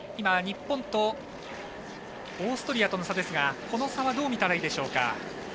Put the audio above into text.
日本とオーストリアとの差ですがこの差はどう見たらいいでしょうか？